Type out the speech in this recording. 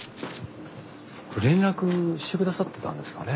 連絡してくださったんですかね？